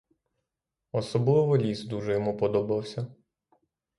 Особливо ліс дуже йому подобався.